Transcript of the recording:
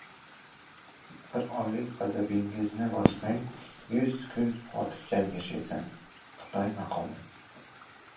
Bir onlik g‘azabingizni bossang, yuz kun hotirjam yashaysan. Xitoy maqoli